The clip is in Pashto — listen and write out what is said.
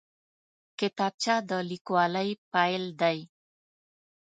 کتابچه د لیکوالۍ پیل دی